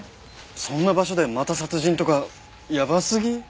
そんな場所でまた殺人とかやばすぎ。